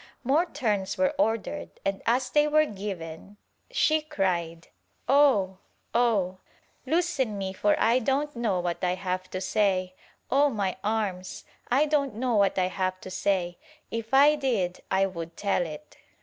More turns were ordered and as they were given she cried "Oh! Oh! loosen me for I don't know what I have to say — Oh my arms! — I don't know what I have to say — if I did I would tell it."